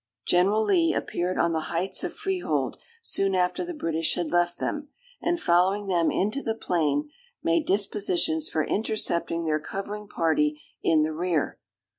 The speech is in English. General Lee appeared on the heights of Freehold, soon after the British had left them; and, following them into the plain, made dispositions for intercepting their covering party in the rear.